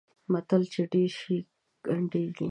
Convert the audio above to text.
متل: چې ډېر شي؛ ګنډېر شي.